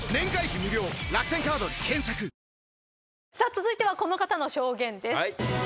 続いてはこの方の証言です。